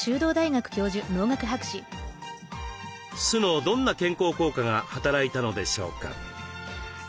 酢のどんな健康効果が働いたのでしょうか？